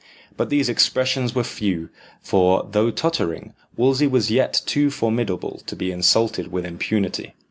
But these expressions were few, for, though tottering, Wolsey was yet too formidable to be insulted with impunity.